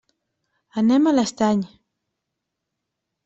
Anem a l'Estany.